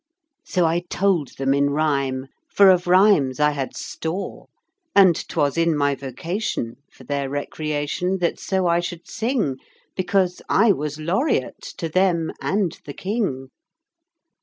So I told them in rhyme, For of rhymes I had store; And 'twas in my vocation For their recreation That so I should sing; Because I was Laureate To them and the King.